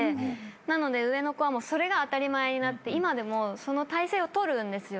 なので上の子はそれが当たり前になって今でもその体勢を取るんですよ。